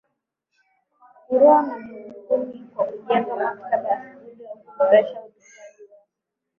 Uroa na Mikunguni kwa kujenga maktaba za skuli au kuboresha utunzaji wake.